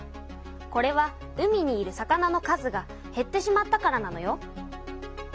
これは海にいる魚の数がへってしまったからなのよ。